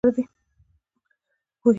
پوهېدل ګټور دی.